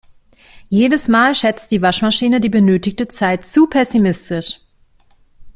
Jedes Mal schätzt die Waschmaschine die benötigte Zeit zu pessimistisch.